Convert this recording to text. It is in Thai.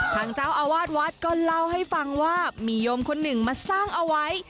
ทางเจ้าอาวาสวัดก็เล่าให้ฟังว่ามีโยมคนหนึ่งมาสร้างเอาไว้